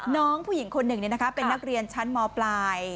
น้องผู้หญิงคนหนึ่งเป็นนักเรียนชั้นมปลาย